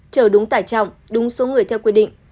chở đúng tải trọng đúng số người theo quy định